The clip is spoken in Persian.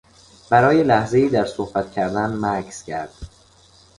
برای لحظهای در صحبت کردن مکث کرد.